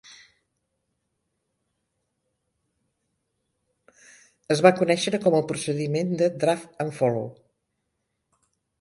Es va conèixer com el procediment de "draft-and-follow".